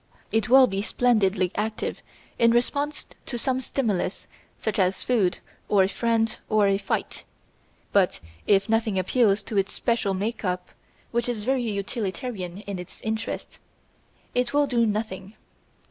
It will be splendidly active in response to some stimulus such as food or a friend or a fight, but if nothing appeals to its special make up, which is very utilitarian in its interests, it will do nothing.